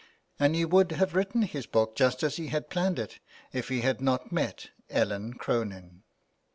And he would have written his book just as he had planned it if he had not met Ellen Cronin.